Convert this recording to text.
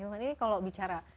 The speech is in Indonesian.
ini kalau bicara